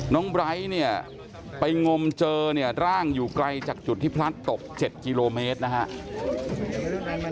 น้องไบร์ไปงมเจอร่างอยู่ไกลจากจุดที่พลัดตก๗กิโลเมตรนะครับ